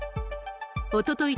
おととい